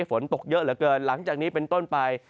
ฝนตกเยอะเหลือเกินหลังจากนี้เป็นต้นไป